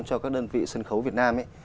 cho các đơn vị sân khấu việt nam